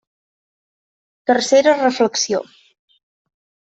Tercera reflexió.